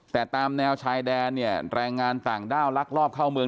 แต่ตามแนวชายแดนเนี่ยแรงงานต่างด้าวลักลอบเข้าเมือง